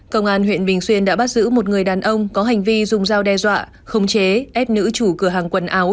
công an huyện bình xuyên đã bắt giữ một người đàn ông có hành vi dùng dao đe dọa khống chế ép nữ chủ cửa hàng quần áo